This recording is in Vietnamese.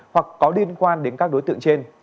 hoặc có liên quan đến các đối tượng trên